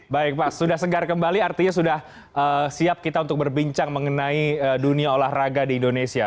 baik pak sudah segar kembali artinya sudah siap kita untuk berbincang mengenai dunia olahraga di indonesia